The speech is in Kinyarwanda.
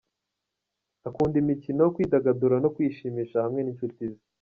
Akunda imikino, kwidagadura no kwishimisha hamwe n’inshuti ze.